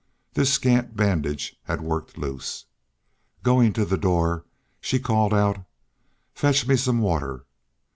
This scant bandage had worked loose. Going to the door, she called out: "Fetch me some water."